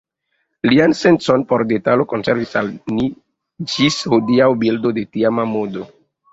Lian sencon por detalo konservis al ni ĝis hodiaŭ bildo de tiama modo.